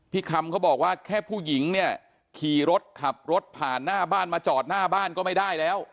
คำเขาบอกว่าแค่ผู้หญิงเนี่ยขี่รถขับรถผ่านหน้าบ้านมาจอดหน้าบ้านก็ไม่ได้แล้ว